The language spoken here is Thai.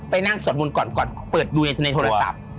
ไปนั่งสนมูลก่อนเปิดดูในโทรศัพท์